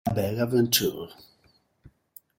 La Belle Aventure